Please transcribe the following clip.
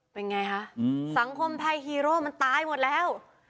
เป็นไงคะสังคมไทยฮีโร่มันตายหมดแล้ว